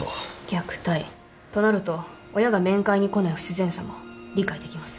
虐待となると親が面会に来ない不自然さも理解できます。